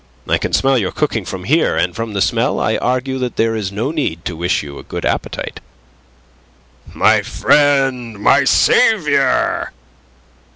I can smell your cooking from here, and from the smell I argue that there is no need to wish you a good appetite." "My friend, my saviour!"